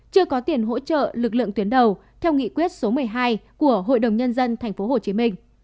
chưa có tiền hỗ trợ lực lượng tuyến đầu theo nghị quyết số một mươi hai của hội đồng nhân dân tp hcm